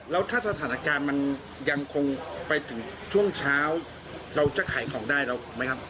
แล้วถ้าสถานการณ์มันยังคงไปถึงช่วงเช้าเราจะขายของได้แล้วไหมครับ